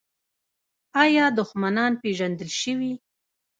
آیا دښمنان پیژندل شوي؟